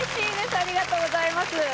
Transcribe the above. ありがとうございます。